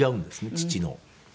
父の。